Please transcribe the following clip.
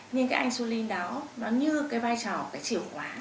nhưng cái insulin đó nó như cái vai trò cái chiều khóa